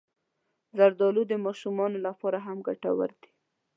زردالو د ماشومانو لپاره هم ګټور دی.